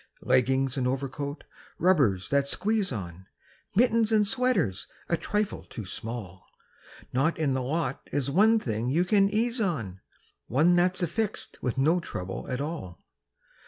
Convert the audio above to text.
Leggings and overcoat, rubbers that squeeze on, Mittens and sweater a trifle too small; Not in the lot is one thing you can ease on, One that's affixed with no trouble at all.